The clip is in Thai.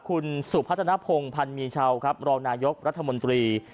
คุณสุพัฒนภงพันมีเชารองนายกรัฐมนตรี